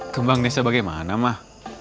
kembang desa bagaimana mah